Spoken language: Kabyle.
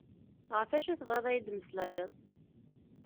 Ɣef acu tebɣiḍ ad yi-d-temmeslayeḍ?